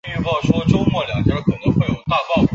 只有可兼选言的情况才属肯定选言谬误。